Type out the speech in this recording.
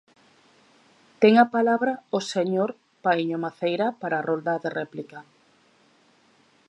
Ten a palabra o señor Paíño Maceira para a rolda de réplica.